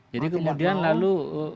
jadi kemudian lalu